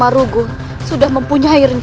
sehingga kita dapat menangkap rakyat